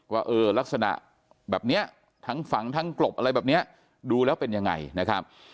ว่าเออลักษณะแบบนี้ทั้งฝังทั้งกลบอะไรแบบนี้ดูแล้วเป็นยังไงนะครับ